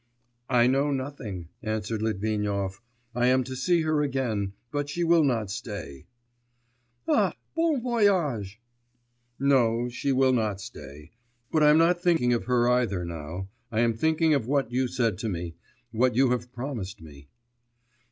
'I know nothing,' answered Litvinov. 'I am to see her again. But she will not stay.' 'Ah! bon voyage!' 'No, she will not stay. But I'm not thinking of her either now, I am thinking of what you said to me, what you have promised me.